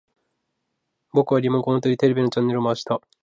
僕はリモコンを取り、テレビのチャンネルを回した